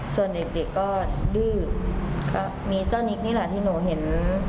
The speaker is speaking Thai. ส่วนเด็กก็ดื้อก็มีเจ้านิกนี่แหละที่หนูเห็น